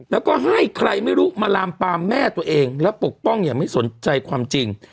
แล้วก็ให้ใครไม่รู้มาลามปามแม่ตัวเองและปกป้องอย่างไม่สนใจความจริง